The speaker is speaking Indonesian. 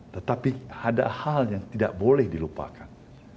tetapi ada hal yang tidak boleh dilupakan